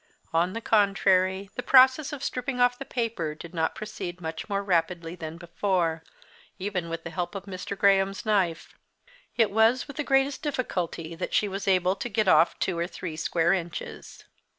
On the contrary, the process of stripping off the paper did not proceed much more rapidly than before, even with the help of Mr. Graham's knife. It was with the greatest difficulty that she was able to get off two or three square inches.